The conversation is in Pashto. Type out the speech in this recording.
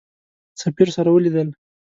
سفیر سره ولیدل.